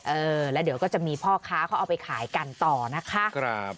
เออแล้วเดี๋ยวก็จะมีพ่อค้าเขาเอาไปขายกันต่อนะคะ